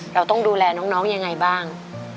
เราต้องดูแลน้องยังไงบ้าง